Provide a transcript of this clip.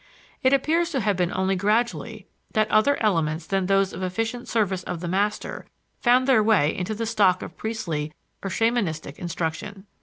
It appears to have been only gradually that other elements than those of efficient service of the master found their way into the stock of priestly or shamanistic instruction.